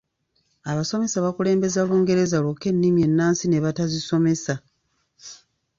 Abasomesa bakulembeza Lungereza lwokka ennimi ennansi ne batazisomesa.